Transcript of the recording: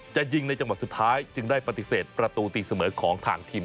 จะยิงในจังหวะสุดท้ายจึงได้ปฏิเสธประตูตีเสมอของทางทีม